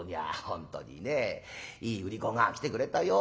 「本当にねいい売り子が来てくれたよ。